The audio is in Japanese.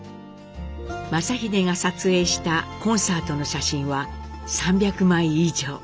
正英が撮影したコンサートの写真は３００枚以上。